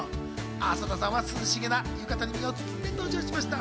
浅田さんは涼しげな浴衣に身を包んで登場しました。